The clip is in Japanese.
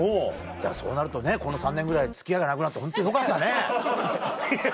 そうなるとねこの３年ぐらい付き合いがなくなってホントよかったね。